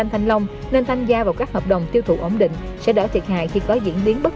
thanh long nên tham gia vào các hợp đồng tiêu thụ ổn định sẽ đỡ thiệt hại khi có diễn biến bất